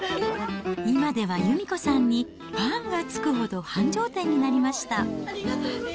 今では由美子さんにファンがつくほど繁盛店になりました。